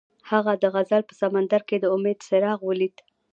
هغه د غزل په سمندر کې د امید څراغ ولید.